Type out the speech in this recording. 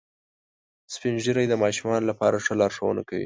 سپین ږیری د ماشومانو لپاره ښه لارښوونه کوي